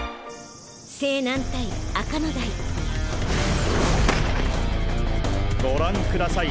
勢南対赤野台ご覧ください。